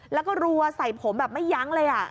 แล้วก็รัวใส่ผมแบบไม่ยั้งเลย